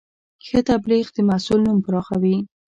ښه تبلیغ د محصول نوم پراخوي.